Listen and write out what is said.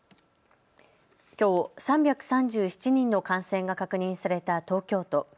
きょう、３３７人の感染が確認された東京都。